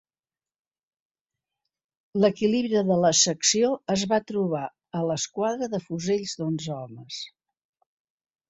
L'equilibri de la secció es va trobar a l'esquadra de fusells d'onze homes.